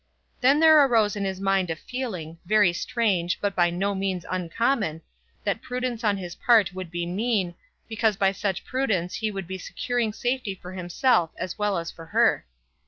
Then there arose in his mind a feeling, very strange, but by no means uncommon, that prudence on his part would be mean, because by such prudence he would be securing safety for himself as well as for her.